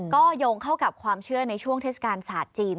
ก็โยงเข้ากับความเชื่อในช่วงเทศกาลศาสตร์จีน